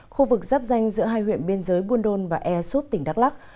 khu vực giáp danh giữa hai huyện biên giới buôn đôn và ea súp tỉnh đắk lắc